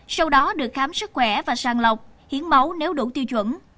sau đó được khám sức khỏe và sàng lọc hiến máu nếu đủ tiêu chuẩn